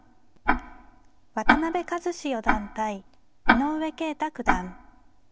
渡辺和史四段対井上慶太九段。